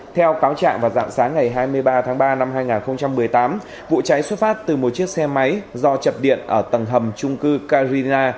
theo cáo trạng vào dạng sáng ngày hai mươi ba tháng ba năm hai nghìn một mươi tám vụ cháy xuất phát từ một chiếc xe máy do chập điện ở tầng hầm trung cư carina